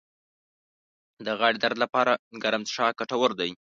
د غاړې درد لپاره ګرم څښاک ګټور دی